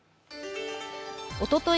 おととい